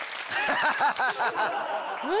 ハハハ。